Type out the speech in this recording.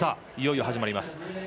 いよいよ始まります。